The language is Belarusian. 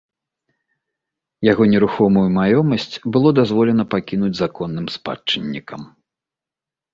Яго нерухомую маёмасць было дазволена пакінуць законным спадчыннікам.